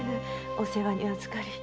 お世話にあずかり。